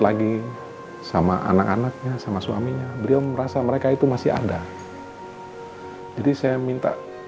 lagi sama anak anaknya sama suaminya beliau merasa mereka itu masih ada jadi saya minta